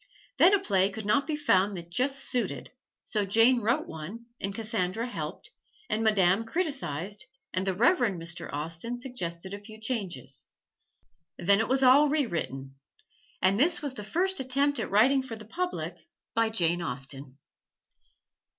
Then a play could not be found that just suited, so Jane wrote one and Cassandra helped, and Madame criticized and the Reverend Mr. Austen suggested a few changes. Then it was all rewritten. And this was the first attempt at writing for the public by Jane Austen.